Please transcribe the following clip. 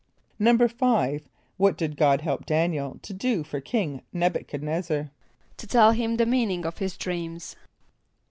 = =5.= What did God help D[)a]n´iel to do for King N[)e]b u chad n[)e]z´zar? =To tell him the meaning of his dreams.